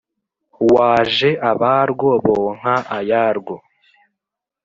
waje abarwo bonka ayarwo